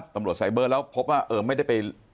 ตำรวจไซเบอร์แล้วพบว่าเออไม่ได้ไป